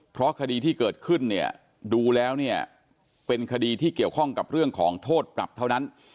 เพราะคดีที่เกิดขึ้นเนี่ยดูแล้วเนี่ยเป็นคดีที่เกี่ยวข้องกับเรื่องของโทษปรับเท่านั้น